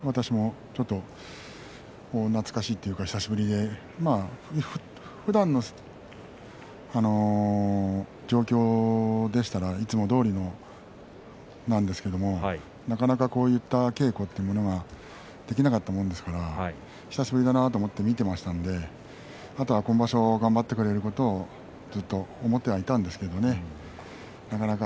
久しぶりに部屋に御嶽海がきたというので私もちょっと懐かしいというか久しぶりでふだんの状況でしたらいつもどおりなんですけれどなかなかこういった稽古というものができなかったものですから久しぶりだなと思って見ていましたのであとは今場所頑張ってくれることをずっと思ってはいたんですけれどね。